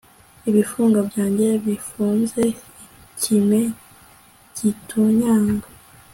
Ibifunga byanjye bifunze ikime gitonyanga